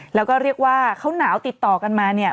แล้วก็เรียกว่าเขาหนาวติดต่อกันมาเนี่ย